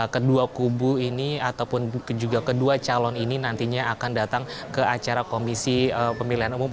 kedua kubu ini ataupun juga kedua calon ini nantinya akan datang ke acara komisi pemilihan umum